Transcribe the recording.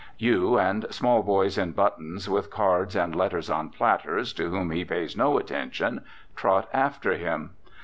You and small boys in buttons, with cards and letters on platters, to whom he pays no attention trot after him.